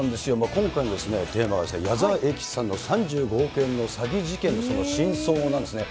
今回のテーマが、矢沢永吉さんの３５億円の詐欺事件、その真相なんですね。